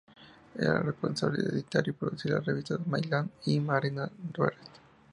Era la responsable de editar y producir las revistas "Mainland" y "Arena Three".